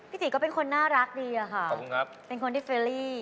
พี่ตรีก็เป็นคนน่ารักดีค่ะเพื่อนคนที่ฟเรื่อลี่